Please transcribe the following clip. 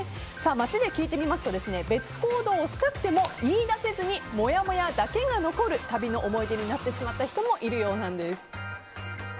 街で聞いてみますと別行動をしたくても言い出せずにもやもやだけが残る旅の思い出になってしまった人もいるようなんです。